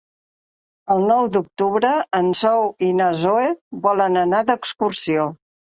El nou d'octubre en Sol i na Zoè volen anar d'excursió.